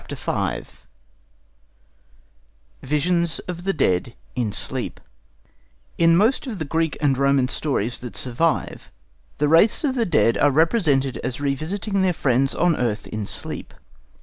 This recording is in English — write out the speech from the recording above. ] V VISIONS OF THE DEAD IN SLEEP In most of the Greek and Roman stories that survive, the wraiths of the dead are represented as revisiting their friends on earth in sleep.